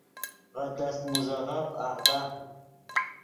ڤے دست موزیغف آغدا